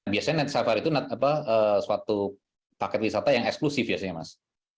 biasanya net safari itu suatu paket wisata yang eksklusif biasanya mas